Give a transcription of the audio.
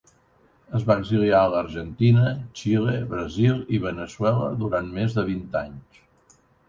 Es va exiliar a l'Argentina, Xile, Brasil i Veneçuela durant més de vint anys.